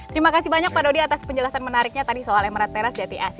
terima kasih banyak pak dodi atas penjelasan menariknya tadi soal emerald terrace jtac